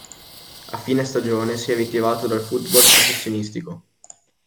A fine stagione si è ritirato dal football professionistico.